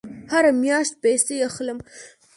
هره میاشت پیسې اخلم